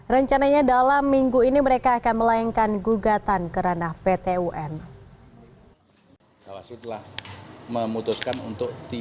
rencananya dalam minggu ini mereka akan melayangkan gugatan ke ranah pt un